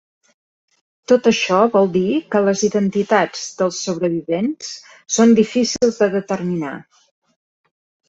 Tot això vol dir que les identitats dels sobrevivents són difícils de determinar.